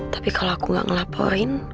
tapi kalau aku gak ngelaporin